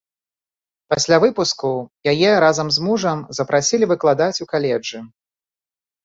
Пасля выпуску яе разам з мужам запрасілі выкладаць у каледжы.